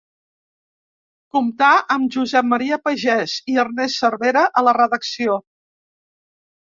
Comptà amb Josep Maria Pagès i Ernest Cervera a la redacció.